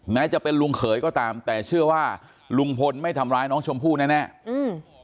แม้จะเป็นลุงเขยก็ตามแต่เชื่อว่าลุงพลไม่ทำร้ายน้องชมพู่แน่แน่อืม